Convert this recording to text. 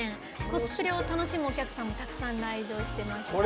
コスプレを楽しむお客さんもたくさん来場してました。